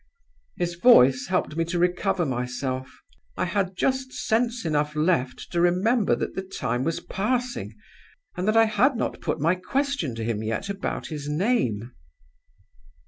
"His voice helped me to recover myself. I had just sense enough left to remember that the time was passing, and that I had not put my question to him yet about his name.